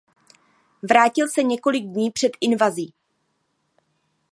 Vrátil se několik dní před invazí.